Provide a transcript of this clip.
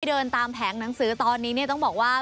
ที่เดินตามแผงหนังสือตอนนี้ต้องบอกว่า